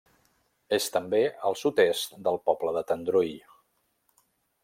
És també al sud-est del poble de Tendrui.